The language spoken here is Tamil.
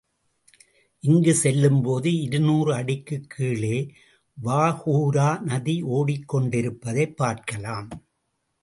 இங்கு செல்லும்போதே இருநூறு அடிக்குக் கீழே வாகூரா நதி ஓடிக் கொண்டிருப்பதைப் பார்க்கலாம்.